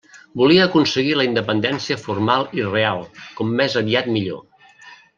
Volia aconseguir la Independència formal i real, com més aviat millor.